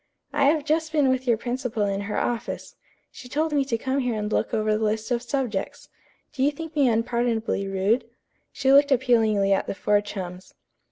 "I have just been with your principal in her office. She told me to come here and look over the list of subjects. Do you think me unpardonably rude?" She looked appealingly at the four chums.